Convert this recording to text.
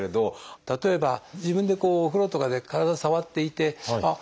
例えば自分でお風呂とかで体触っていてあっ